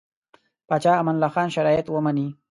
پاچا امان الله خان شرایط ومني.